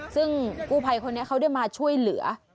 ซึ่งกู้ภัยคนนี้เขาได้มาช่วยเหลือ